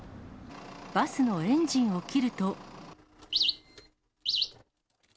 バスのエンジンを切ると。